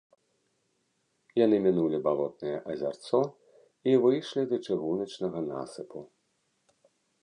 Яны мінулі балотнае азярцо і выйшлі да чыгуначнага насыпу.